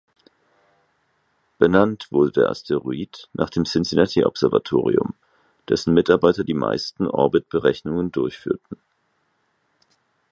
Benannt wurde der Asteroid nach dem Cincinnati-Observatorium, dessen Mitarbeiter die meisten Orbit-Berechnungen durchführten.